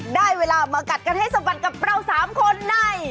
ได้เวลามากัดกันให้สะบัดกับเรา๓คนใน